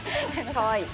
かわいい。